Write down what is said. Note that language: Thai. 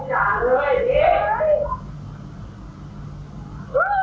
เอามาให้สวย